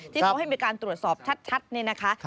ที่เขาให้มีการตรวจสอบชัดนี่นะคะ